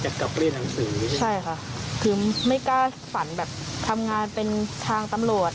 อยากกลับเรียนหนังสือใช่ไหมใช่ค่ะคือไม่กล้าฝันแบบทำงานเป็นทางตำโหลด